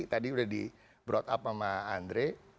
tadi udah di browth up sama andre